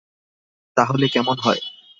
তাহলে কেমন হয়?